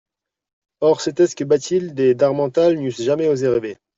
Or, c'était ce que Bathilde et d'Harmental n'eussent jamais osé rêver.